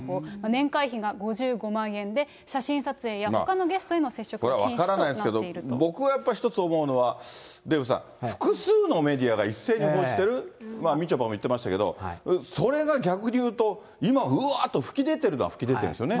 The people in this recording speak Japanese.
年会費が５５万円で、写真撮影やほかのゲストへの接触は禁止となっていこれは分からないですけど、僕はやっぱり一つ思うのは、デーブさん、複数のメディアが一斉に報じてる、みちょぱも言ってましたけど、それが逆にいうと、今うわーっと噴き出てるのは噴き出てるんですよね。